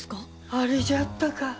あれじゃったか。